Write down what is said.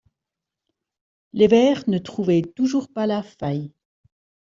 Les Verts ne trouvaient toujours pas la faille.